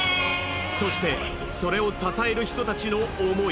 そしてそれを支える人たちの思い。